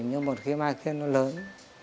nhưng một khi mai khiến nó lớn